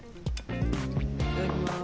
いただきます。